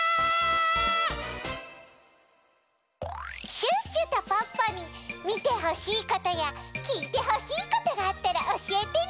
シュッシュとポッポにみてほしいことやきいてほしいことがあったらおしえてね！